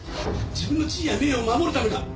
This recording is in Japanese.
自分の地位や名誉を守るためか？